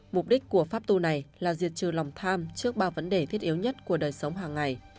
mục đích của pháp tu này là diệt trừ lòng tham trước ba vấn đề thiết yếu nhất của đời sống hàng ngày